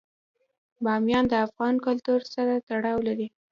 بامیان د افغان کلتور سره تړاو لري.